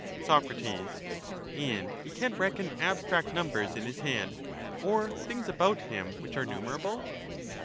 Soc, And he can reckon abstract numbers in his head, or things about him which are numerable